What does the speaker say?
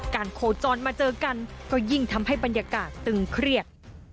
โคจรมาเจอกันก็ยิ่งทำให้บรรยากาศตึงเครียด